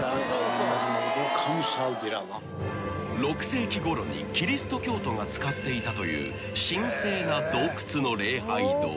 ［６世紀ごろにキリスト教徒が使っていたという神聖な洞窟の］